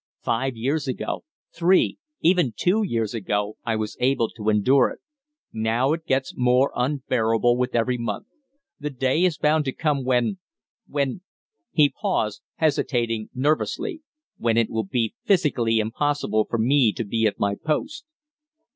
Five years ago three even two years ago I was able to endure it; now it gets more unbearable with every month. The day is bound to come when when" he paused, hesitating nervously "when it will be physically impossible for me to be at my post."